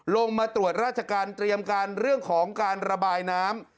ลงมาตรวจราชการเตรียมการเรื่องของการระบายน้ำ